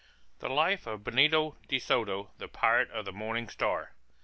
_] THE LIFE OF BENITO DE SOTO THE PIRATE OF THE MORNING STAR.